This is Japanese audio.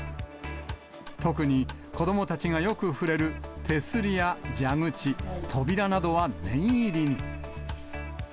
特に子どもたちがよく触れる手すりや蛇口、扉などは念入りに。